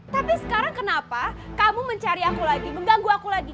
tapi sekarang kenapa kamu mencari aku lagi mengganggu aku lagi